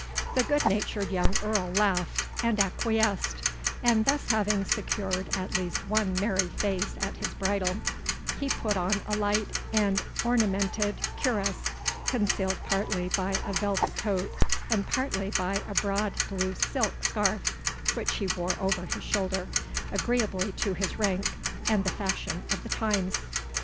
The good natured young Earl laughed, and acquiesced; and thus having secured at least one merry face at his bridal, he put on a light and ornamented cuirass, concealed partly by a velvet coat, and partly by a broad blue silk scarf, which he wore over his shoulder, agreeably to his rank, and the fashion of the times.